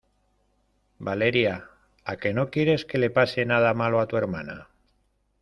¿ Valeria? ¿ a que no quieres que le pase nada malo a tu hermana ?